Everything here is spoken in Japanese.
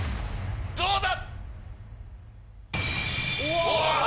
⁉どうだ